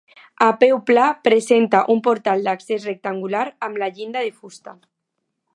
A peu pla presenta un portal d'accés rectangular, amb la llinda de fusta.